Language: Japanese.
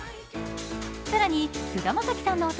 更に菅田将暉さんの弟